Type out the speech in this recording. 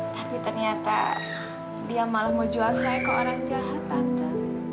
tapi ternyata dia malah mau jual saya ke orang jahat tante